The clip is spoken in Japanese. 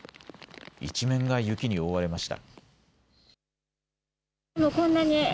一面が雪に覆われました。